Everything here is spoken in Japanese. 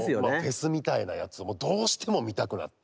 フェスみたいなやつをもうどうしても見たくなって。